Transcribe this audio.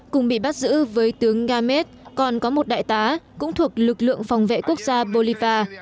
cùng bị bắt giữ với tướng games còn có một đại tá cũng thuộc lực lượng phòng vệ quốc gia bolifa